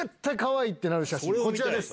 こちらです。